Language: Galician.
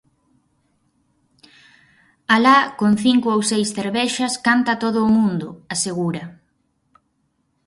"Alá, con cinco ou seis cervexas, canta todo o mundo", asegura.